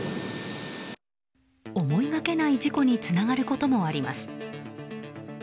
思いがけない事故につながることもあります。